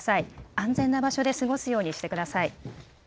安全な場所で過ごすようにしてください。